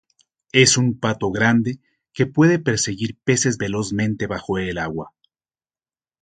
Es un pato grande que puede perseguir peces velozmente bajo el agua.